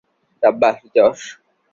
সাব্বাশ, Josh.